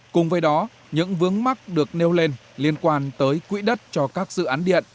cùng với đó những vướng mắt được nêu lên liên quan tới quỹ đất cho các dự án điện